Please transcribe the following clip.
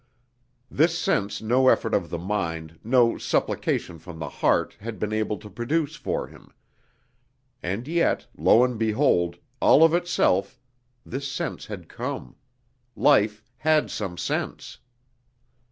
This sense no effort of the mind, no supplication from the heart had been able to produce for him. And yet, lo and behold, all of itself, this sense had come.... Life had some sense....